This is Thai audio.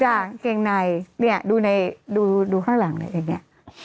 ใช่ค่ะกางเกงในนี่ดูข้างหลังเนี่ย